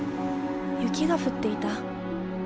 雪が降っていた。